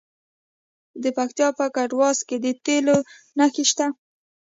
د پکتیکا په کټواز کې د تیلو نښې شته.